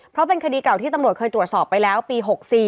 เพราะเป็นคดีเก่าที่ตำรวจเคยตรวจสอบไปแล้วปี๖๔